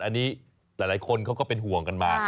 อันนี้หลายคนเขาก็เป็นห่วงกันมา